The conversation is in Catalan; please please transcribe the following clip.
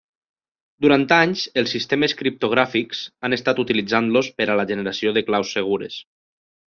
Durant anys els sistemes criptogràfics han estat utilitzant-los per a la generació de claus segures.